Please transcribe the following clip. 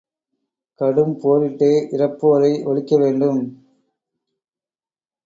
கடும் போரிட்டே இரப்போரை ஒழிக்க வேண்டும்.